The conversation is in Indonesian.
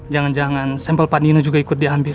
jangan jangan sampel pak dwi juga ikut diambil